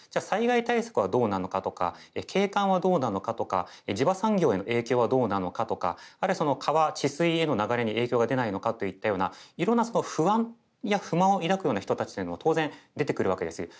災害対策はどうなのかとか景観はどうなのかとか地場産業への影響はどうなのかとかあるいは川治水への流れに影響が出ないのかといったようないろんな不安や不満を抱くような人たちというのは当然出てくるわけです。